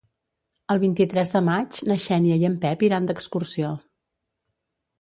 El vint-i-tres de maig na Xènia i en Pep iran d'excursió.